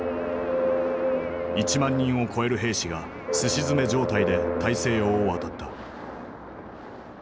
１万人を超える兵士がすし詰め状態で大西洋を渡った。